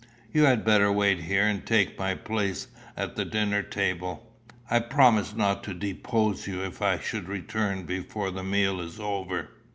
You had better wait here and take my place at the dinner table. I promise not to depose you if I should return before the meal is over."